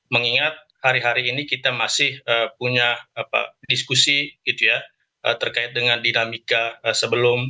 mengingat hari hari ini kita masih punya diskusi terkait dengan dinamika sebelum